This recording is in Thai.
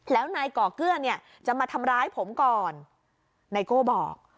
แล้วนายก่อเกื้อเนี่ยจะมาทำร้ายผมก่อนไนโก้บอก